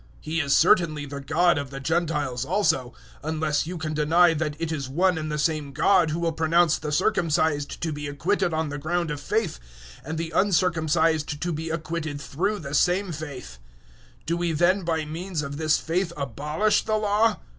He is certainly the God of the Gentiles also, 003:030 unless you can deny that it is one and the same God who will pronounce the circumcised to be acquitted on the ground of faith, and the uncircumcised to be acquitted through the same faith. 003:031 Do we then by means of this faith abolish the Law?